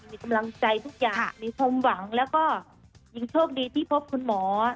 มีกำลังใจทุกอย่างมีความหวังแล้วก็ยังโชคดีที่พบคุณหมอ